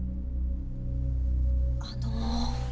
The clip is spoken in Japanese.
あの。